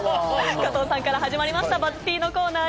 加藤さんから始まりました、ＢＵＺＺ−Ｐのコーナー。